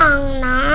tante aku mau